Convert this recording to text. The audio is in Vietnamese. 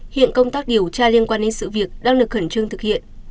hiện công tác điều tra liên quan đến sự việc đang được khẩn trương thực hiện